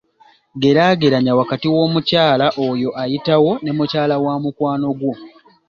Geraageranya wakati w'omukyala oyo ayitawo ne mukyala wa mukwano gwo.